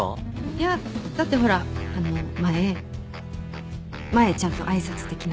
いやだってほらあの前前ちゃんと挨拶できなかったから。